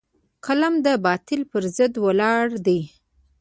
قلم د باطل پر ضد ولاړ دی